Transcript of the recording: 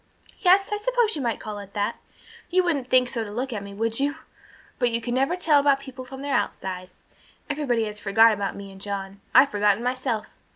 "Yes, I suppose you might call it that. You wouldn't think so to look at me, would you? But you never can tell about people from their outsides. Everybody has forgot about me and John. I'd forgotten myself.